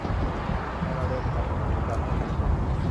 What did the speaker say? นาราเดินทางจากอเมริกาใต้ไปญี่ปุ่น